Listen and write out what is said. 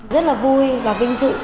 rất là vui và vinh dự